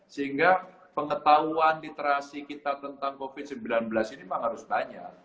sehingga pengetahuan literasi kita tentang covid sembilan belas ini memang harus banyak